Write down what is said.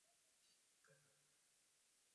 本鱼胸鳍发育完全。